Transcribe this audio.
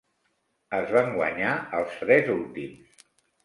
Es van guanyar els tres últims.